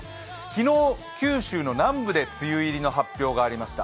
昨日、九州の南部で梅雨入りの発表がありました。